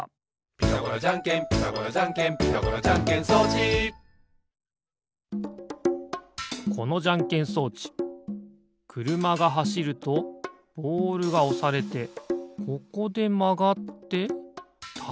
「ピタゴラじゃんけんピタゴラじゃんけん」「ピタゴラじゃんけん装置」このじゃんけん装置くるまがはしるとボールがおされてここでまがってたぶんグーがでる。